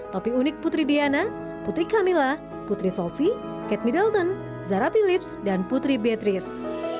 topi unik putri diana putri camilla putri sofi kate middleton zara philips dan putri beatrice